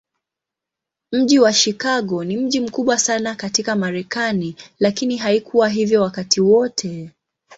Mji wa Chicago ni mji mkubwa sana katika Marekani, lakini haikuwa hivyo wakati wote.